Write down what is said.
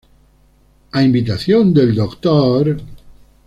A invitación del Dr.